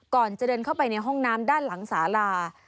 ก่อนจะเดินเข้าไปในห้องน้ำด้านหลังสาลา